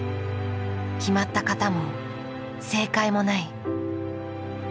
決まった型も正解もない。